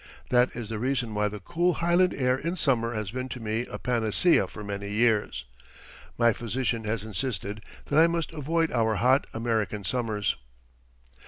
[That is the reason why the cool Highland air in summer has been to me a panacea for many years. My physician has insisted that I must avoid our hot American summers.